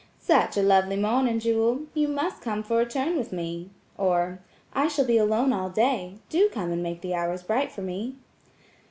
"Such a lovely morning, Jewel! You must come for a turn with me." or, "I shall be alone all day; do come and make the hours bright for me."